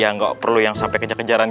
enggak perlu yang sampai kejar kejaran